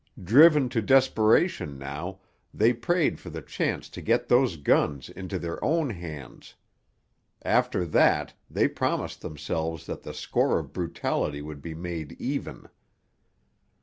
Driven to desperation now, they prayed for the chance to get those guns into their own hands. After that they promised themselves that the score of brutality would be made even.